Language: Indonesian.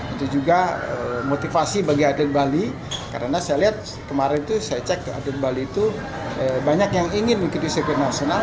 itu juga motivasi bagi adik bali karena saya lihat kemarin itu saya cek adik bali itu banyak yang ingin begitu sirnas